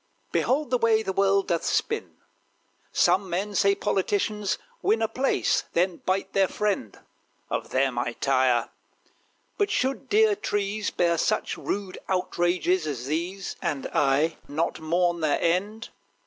Behold the way the world doth spin. Some men say, politicians win A place: then bite their friend! Of them I tire. But should dear trees Bear such rude outrages as these, And I not mourn their end?